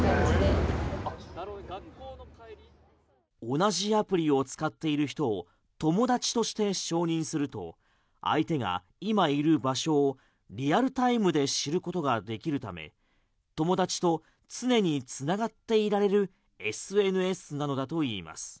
同じアプリを使っている人を友達として承認すると相手が今いる場所をリアルタイムで知ることができるため友達と常に繋がっていられるＳＮＳなのだといいます。